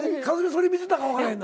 それ見てたかわからへんな？